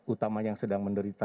utama yang sedang menderita